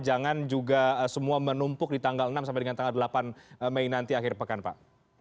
jangan juga semua menumpuk di tanggal enam sampai dengan tanggal delapan mei nanti akhir pekan pak